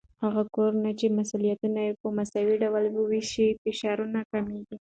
هغه کورنۍ چې مسؤليتونه په مساوي ډول وويشي، فشارونه کمېږي.